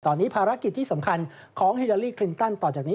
ตอนนี้ภารกิจที่สำคัญของฮิลาลีคลินตันต่อจากนี้